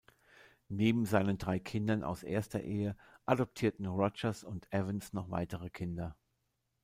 Neben seinen drei Kindern aus erster Ehe adoptierten Rogers und Evans noch weitere Kinder.